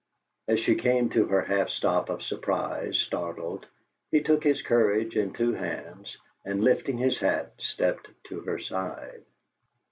As she came to her half stop of surprise, startled, he took his courage in two hands, and, lifting his hat, stepped to her side.